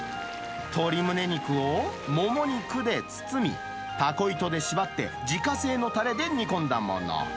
鶏むね肉をもも肉で包み、タコ糸で縛って自家製のたれで煮込んだもの。